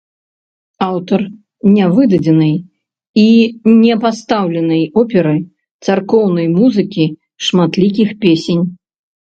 Аўтар нявыдадзенай і не пастаўленай оперы, царкоўнай музыкі, шматлікіх песень.